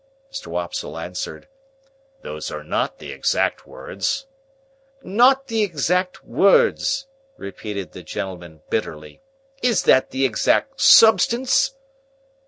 Mr. Wopsle answered, "Those are not the exact words." "Not the exact words!" repeated the gentleman bitterly. "Is that the exact substance?"